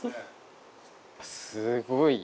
すごい。